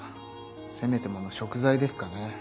せめてもの贖罪ですかね。